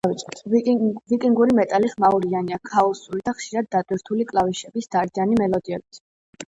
ვიკინგური მეტალი „ხმაურიანია, ქაოსური და ხშირად დატვირთული კლავიშების დარდიანი მელოდიებით“.